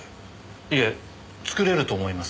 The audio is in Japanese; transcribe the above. いえ作れると思います。